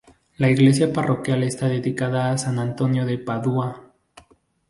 La iglesia parroquial está dedicada a san Antonio de Padua.